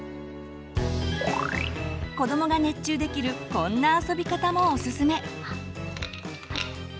子どもが熱中できるこんな遊び方もおすすめ。